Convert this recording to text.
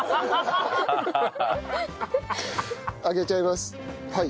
上げちゃいますはい。